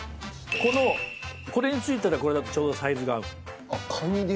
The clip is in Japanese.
このこれについてるこれだとちょうどサイズが合うの。